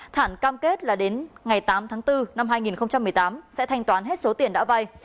thản cam kết là đến ngày tám tháng bốn năm hai nghìn một mươi tám sẽ thanh toán hết số tiền đã vay